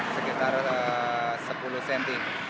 sekitar sepuluh cm